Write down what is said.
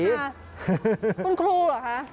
คุณครูเหรอคะ